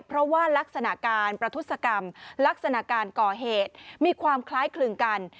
เพราะว่ารักษณะการประทุศกรรมลักษณะการก่อเหตุมีความคล้ายคลึงกัน